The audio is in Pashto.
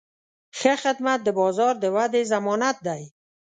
ښه خدمت د بازار د ودې ضمانت دی.